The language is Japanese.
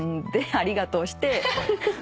ありがとうして。